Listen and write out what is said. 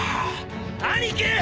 兄貴！